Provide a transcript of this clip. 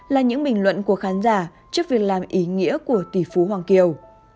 là những bình luận của khán giả trước việc làm ý nghĩa của tỷ phú hoàng kiều